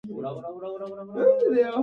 岩手県大槌町